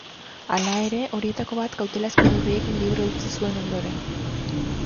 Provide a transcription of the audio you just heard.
Hala ere, horietako bat kautelazko neurriekin libre utzi zuen ondoren.